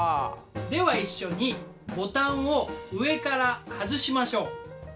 では一緒にボタンを上から外しましょう。